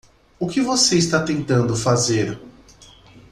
O que você está tentando fazer?